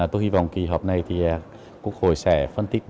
tôi hy vọng kỳ họp này thì quốc hội sẽ phân tích